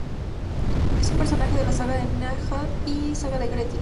Es un personaje de la "saga de Njál", y "saga de Grettir".